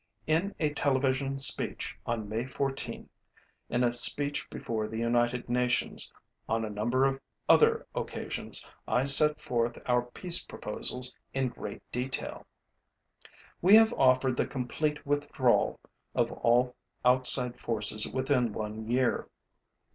In a television speech on May 14, in a speech before the United Nations, on a number of other occasions, I set forth our peace proposals in great detail. We have offered the complete withdrawal of all outside forces within one year.